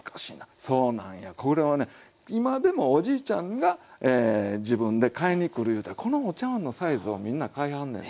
そうなんやこれはね今でもおじいちゃんが自分で買いにくるいうたらこのお茶わんのサイズをみんな買いはんねん。